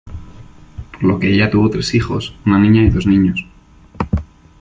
Por lo que ella tuvo tres hijos, una niña y dos niños.